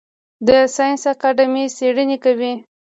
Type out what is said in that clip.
د ساینس اکاډمي څیړنې کوي؟